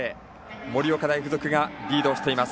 盛岡大付属がリードしています。